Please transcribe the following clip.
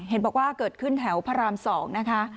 เห็นบอกว่าเกิดขึ้นแถวพระราม๒นะคะ